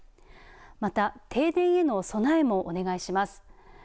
また停電への備えもお願いします。